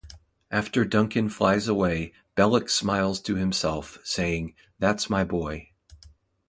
After Duncan flies away, Belloc smiles to himself, saying, "That's my boy".